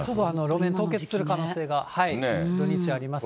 路面凍結する可能性、土日ありますね。